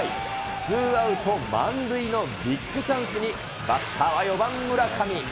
ツーアウト満塁のビッグチャンスに、バッターは４番村上。